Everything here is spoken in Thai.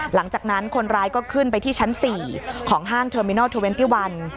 หลังจากนั้นคนร้ายก็ขึ้นไปที่ชั้น๔ของห้างเทอร์มินาล